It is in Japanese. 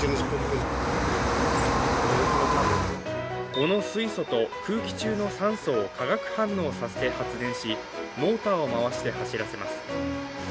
この水素と空気中の酸素を化学反応させて発電し、モーターを回して走らせます。